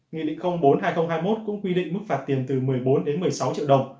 nghị định bốn hai nghìn hai mươi một cũng quy định mức phạt tiền từ một mươi bốn đến một mươi sáu triệu đồng